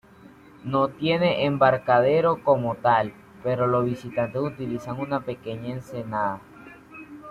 No tiene embarcadero como tal, pero los visitantes utilizan una pequeña ensenada.